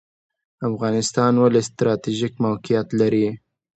افغانستان ولې ستراتیژیک موقعیت لري؟